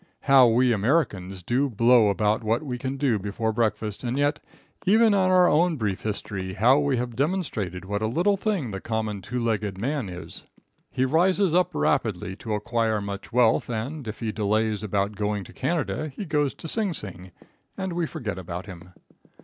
How we Americans do blow about what we can do before breakfast, and, yet, even in our own brief history, how we have demonstrated what a little thing the common two legged man is. He rises up rapidly to acquire much wealth, and if he delays about going to Canada he goes to Sing Sing, and we forget about him.